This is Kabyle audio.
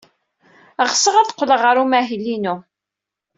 Ɣseɣ ad qqleɣ ɣer umahil-inu.